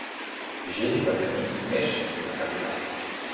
Jin va tenir més d'una capital.